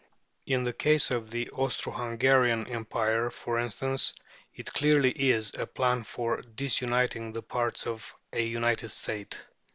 In the case of the Austro Hungarian Empire, for instance, it clearly is a "plan for disuniting the parts of a united state."